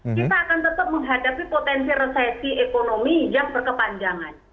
kita akan tetap menghadapi potensi resesi ekonomi yang berkepanjangan